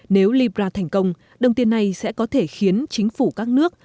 nếu libra thành công đồng tiền này sẽ có thể khiến chính phủ các nước